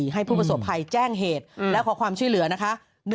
ให้ผู้ประสบภัยแจ้งเหตุและขอความช่วยเหลือนะคะ